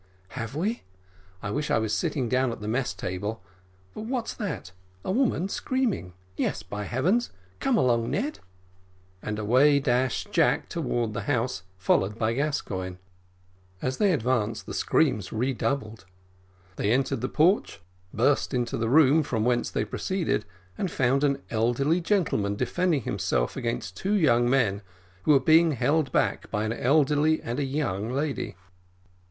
"Have we? I wish I was sitting down at the mess table but what's that? a woman screaming? Yes, by heavens! come along, Ned." And away dashed Jack towards the house, followed by Gascoigne. As they advanced the screams redoubled; they entered the porch, burst into the room from whence they proceeded, and found an elderly gentleman defending himself against two young men, who were held back by an elderly and a young lady.